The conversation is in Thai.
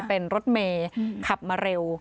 เป็นรถเมย์ขับมาเร็ว